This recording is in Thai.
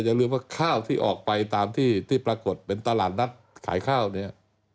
อย่าลืมว่าข้าวที่ออกไปตามที่ปรากฏเป็นตลาดนัดขายข้าวเนี่ย